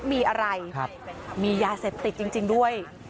มีอะไรมียาเสพติดจริงด้วย